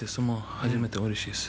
初めて見てうれしいです。